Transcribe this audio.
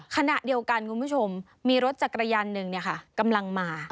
ขณะเดียวกันคุณผู้ชมมีรถจักรยานหนึ่งกำลังมา